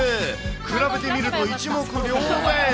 比べてみると一目瞭然。